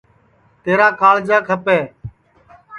تیرا کاݪجا کھپے